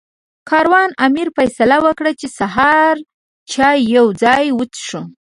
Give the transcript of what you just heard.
د کاروان امیر فیصله وکړه چې سهار چای یو ځای وڅښو.